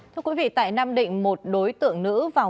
thưa quý vị tại nam định một đối tượng nữ vào